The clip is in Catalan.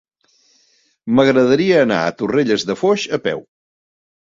M'agradaria anar a Torrelles de Foix a peu.